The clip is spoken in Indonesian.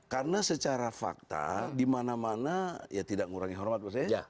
karena secara fakta dimana mana ya tidak ngurangi hormat